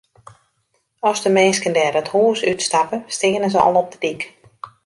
As de minsken dêr it hûs út stappe, stean se al op de dyk.